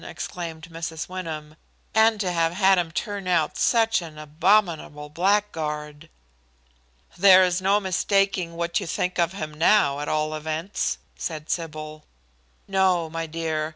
exclaimed Mrs. Wyndham. "And to have had him turn out such an abominable blackguard!" "There is no mistaking what you think of him now, at all events," said Sybil. "No, my dear.